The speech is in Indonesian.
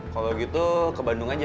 kalau gitu ke bandung aja